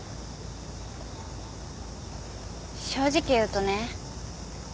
正直言うとね